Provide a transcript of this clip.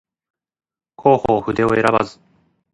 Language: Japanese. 弘法筆を選ばず